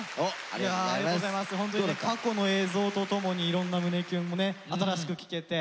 ホントにね過去の映像とともにいろんな胸キュンもね新しく聞けて。